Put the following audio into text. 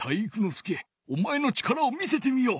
介お前の力を見せてみよ！